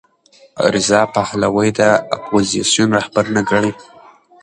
رضا پهلوي د اپوزېسیون رهبر نه ګڼي.